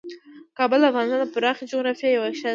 کابل د افغانستان د پراخې جغرافیې یوه ښه بېلګه ده.